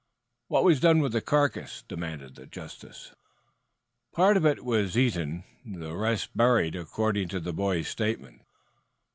"What was done with the carcass?" demanded the justice. "Part of it was eaten, the rest buried, according to the boy's statement."